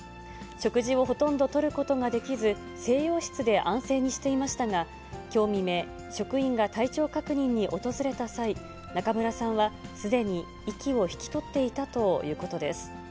食事をほとんどとることができず、静養室で安静にしていましたが、きょう未明、職員が体調確認に訪れた際、中村さんはすでに息を引き取っていたということです。